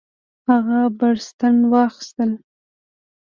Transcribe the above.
هغه بړستنه واخیست.